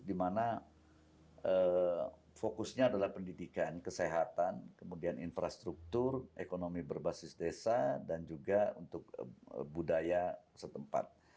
dimana fokusnya adalah pendidikan kesehatan kemudian infrastruktur ekonomi berbasis desa dan juga untuk budaya setempat